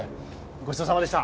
ごちそうさまでした。